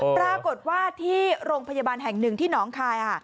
ปรากฏว่าที่โรงพยาบาลแห่งหนึ่งที่หนองคาย